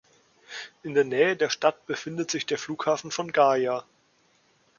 In der Nähe der Stadt befindet sich der Flughafen von Gaya.